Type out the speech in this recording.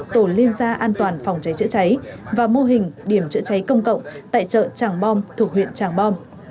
tổ liên gia an toàn phòng cháy chữa cháy và mô hình điểm chữa cháy công cộng tại chợ tràng bom thuộc huyện tràng bom